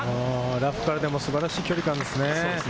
ラフからでも素晴らしい距離感ですね。